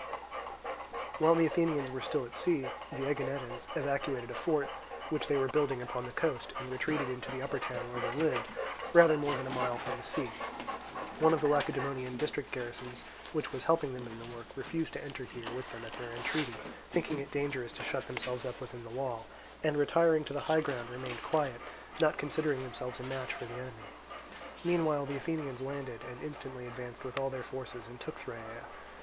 While the Athenians were still at sea, the Aeginetans evacuated a fort which they were building upon the coast, and retreated into the upper town where they lived, rather more than a mile from the sea. One of the Lacedaemonian district garrisons which was helping them in the work, refused to enter here with them at their entreaty, thinking it dangerous to shut themselves up within the wall, and retiring to the high ground remained quiet, not considering themselves a match for the enemy. Meanwhile the Athenians landed, and instantly advanced with all their forces and took Thyrea.